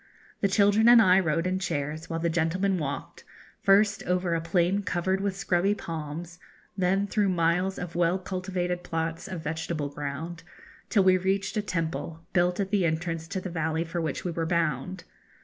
The children and I rode in chairs, while the gentlemen walked, first over a plain covered with scrubby palms, then through miles of well cultivated plots of vegetable ground, till we reached a temple, built at the entrance to the valley for which we were bound.